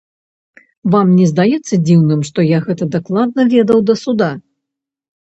Вам не здаецца дзіўным, што я гэта дакладна ведаў да суда?